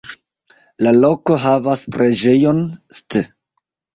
La loko havas preĝejon „St.